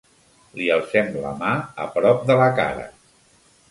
Li alcem la mà a prop de la cara.